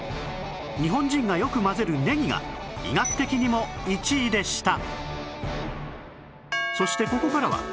日本人がよく混ぜるねぎが医学的にも１位でした